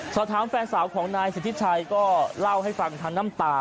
สอบถามแฟนสาวของนายสิทธิชัยก็เล่าให้ฟังทั้งน้ำตา